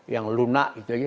yang lunak gitu ya